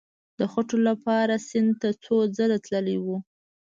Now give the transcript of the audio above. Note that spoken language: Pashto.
د خټو لپاره سیند ته څو ځله تللی وو.